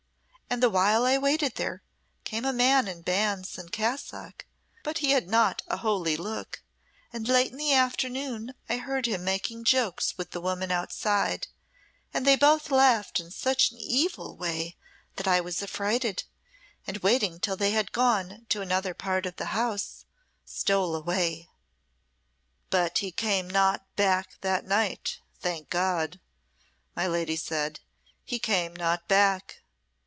And the while I waited there came a man in bands and cassock, but he had not a holy look, and late in the afternoon I heard him making jokes with the woman outside, and they both laughed in such an evil way that I was affrighted, and waiting till they had gone to another part of the house, stole away." "But he came not back that night thank God!" my lady said "he came not back."